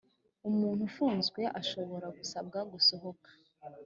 umuntu ufunzwe ashobora gusabwa gusohoka.